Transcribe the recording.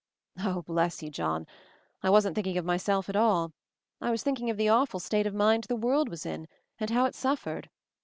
<<i Oh, bless you, John, I wasn't thinking of myself at all! I was thinking of the awful state of mind the world was in, and how it suffered